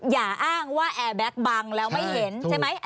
อย่าอ้างว่าแอร์แบ็คบังแล้วไม่เห็นใช่ไหม